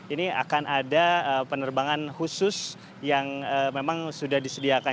ini akan ada penerbangan khusus yang memang sudah disediakan